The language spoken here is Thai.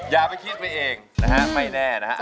อย่าไปคิดไปเองไม่แน่นะครับ